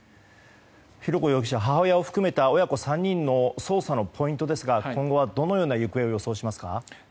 浩子容疑者、母親を含めた親子３人の捜査のポイントですが今後はどのような行方を予想しますか？